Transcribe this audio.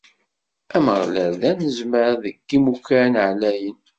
Ameɣlal, d Anezmar deg yimukan ɛlayen.